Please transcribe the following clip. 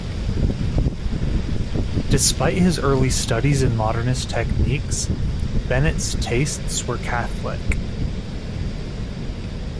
Despite his early studies in modernist techniques, Bennett's tastes were Catholic.